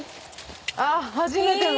あっ。